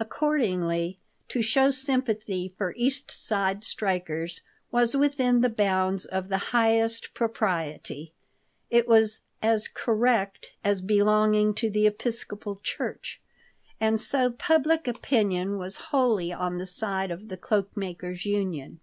Accordingly, to show sympathy for East Side strikers was within the bounds of the highest propriety. It was as "correct" as belonging to the Episcopal Church. And so public opinion was wholly on the side of the Cloak makers' Union.